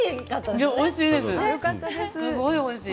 すごいおいしい。